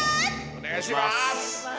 お願いします。